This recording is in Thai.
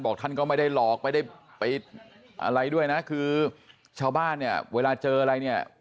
ท่านก็ไม่ได้หลอกไม่ได้ไปอะไรด้วยนะคือชาวบ้านเนี่ยเวลาเจออะไรเนี่ย